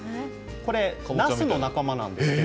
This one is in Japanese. なすの仲間なんです。